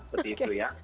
seperti itu ya